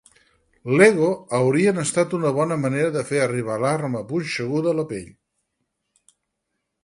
L'Ego haurien estat una bona manera de fer arribar l'arma punxeguda a la pell.